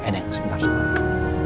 nenek sebentar sebentar